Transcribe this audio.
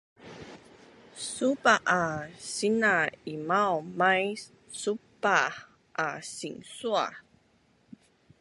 supah a sina-imaun mais supah a sinsuaz